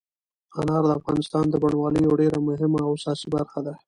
انار د افغانستان د بڼوالۍ یوه ډېره مهمه او اساسي برخه ده.